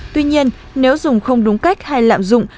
tuy nhiên nếu dùng không đúng cách hay lạm dụng